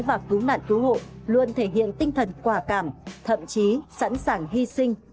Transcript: và cứu nạn cứu hộ luôn thể hiện tinh thần quả cảm thậm chí sẵn sàng hy sinh